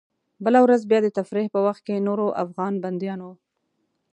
بله ورځ بیا د تفریح په وخت کې نورو افغان بندیانو.